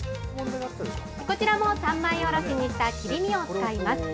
こちらも三枚おろしにした切り身を使います。